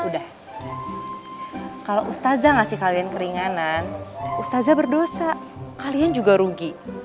udah kalau ustazah ngasih kalian keringanan ustazah berdosa kalian juga rugi